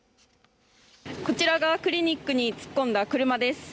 こちらがクリニックに突っ込んだ車です。